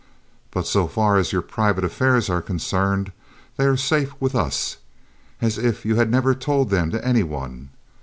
But, so far as your private affairs are concerned, they are as safe with us, as if you had never told them to any one.